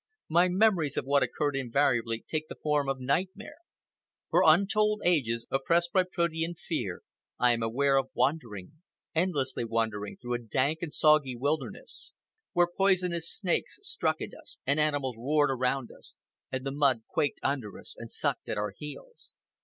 My memories of what occurred invariably take the form of nightmare. For untold ages, oppressed by protean fear, I am aware of wandering, endlessly wandering, through a dank and soggy wilderness, where poisonous snakes struck at us, and animals roared around us, and the mud quaked under us and sucked at our heels.